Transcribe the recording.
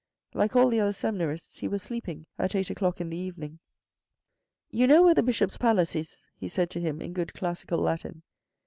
Like all the other seminarists, he was sleeping at eight o'clock in the evening. " You know where the Bishop's Palace is," he said to him in good classical Latin.